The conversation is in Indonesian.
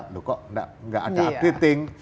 loh kok nggak ada updating